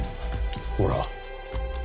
ほら。